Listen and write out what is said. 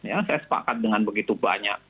ya saya sepakat dengan begitu banyak